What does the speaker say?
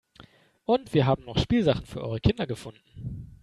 Und wir haben noch Spielsachen für eure Kinder gefunden.